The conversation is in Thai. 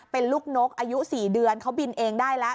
เป็นลูกนกอายุ๔เดือนเขาบินเองได้แล้ว